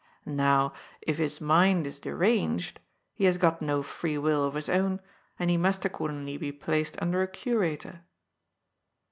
Now, if his mind is deranged, he has got no free will of his own, and he must accordingly be placed under a * curator.'